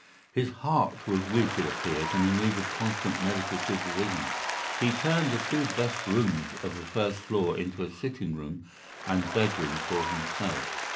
His heart was weak, it appears, and he needed constant medical supervision. He turned the two best rooms of the first floor into a sitting room and bedroom for himself.